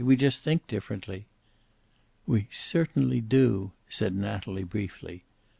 We just think differently." "We certainly do," said Natalie briefly.